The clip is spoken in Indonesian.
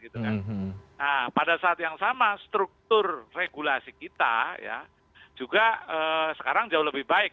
nah pada saat yang sama struktur regulasi kita juga sekarang jauh lebih baik